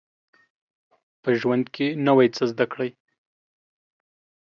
په ژوند کي نوی څه زده کړئ